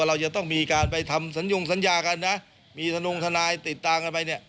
เราจะต้องมีการไปทำสนิยงสัญญากันมีสนุงธนายติดต่างกันไป